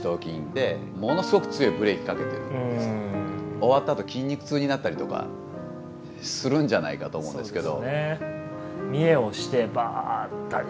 終わったあと筋肉痛になったりとかするんじゃないかと思うんですけど。